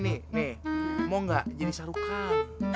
nih nih mau gak jadi sarukan